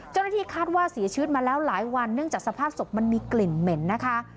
เจ้าหน้าที่คาดว่าเสียชีวิตมาแล้วหลายวันเนื่องจากสภาพศพมันมีกลิ่นเหม็นนะคะ